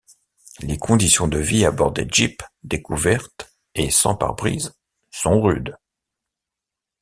Les conditions de vie à bord des Jeeps découvertes et sans pare-brise sont rudes.